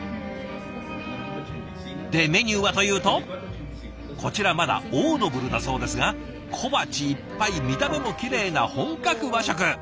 でメニューはというとこちらまだオードブルだそうですが小鉢いっぱい見た目もきれいな本格和食！